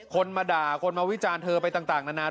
คนมาด่าคนมาวิจารณ์เธอไปต่างนานา